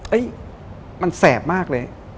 มันแสบมากเลย